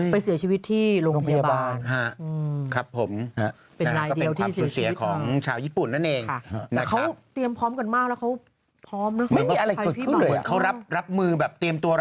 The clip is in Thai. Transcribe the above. เสียชีวิตที่โรงพยาบาล